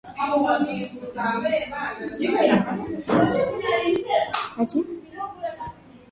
Dereva wangu ni sauti ya jamii.